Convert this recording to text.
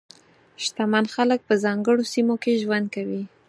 شتمن خلک په ځانګړو سیمو کې ژوند کوي.